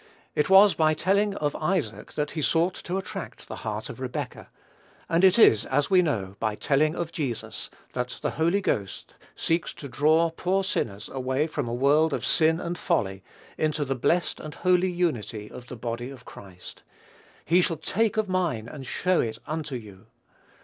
It was by telling of Isaac that he sought to attract the heart of Rebekah; and it is, as we know, by telling of Jesus, that the Holy Ghost seeks to draw poor sinners away from a world of sin and folly into the blessed and holy unity of the body of Christ. "He shall take of mine and show it unto you."